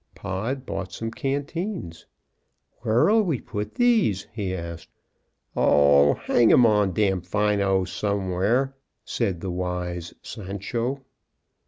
Pod bought some canteens. "Where'll we put these?" he asked. "Oh, hang 'em on Damfino somewhere," said the wise "Sancho."